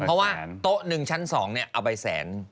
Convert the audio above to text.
เพราะว่าโต๊ะหนึ่งชั้น๒เอาไปแสน